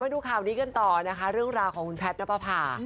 ดูข่าวนี้กันต่อนะคะเรื่องราวของคุณแพทย์นับประพา